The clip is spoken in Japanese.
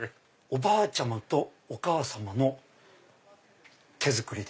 おばあちゃまとお母様の手作り。